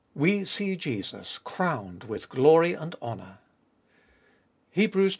WE SEE JESUS CROWNED WITH GLORY AND HONOUR.